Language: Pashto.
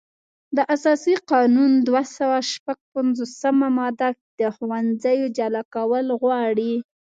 د اساسي قانون دوه سوه شپږ پنځوسمه ماده د ښوونځیو جلا کول غواړي.